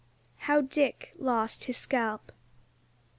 HOW DICK LOST HIS SCALP.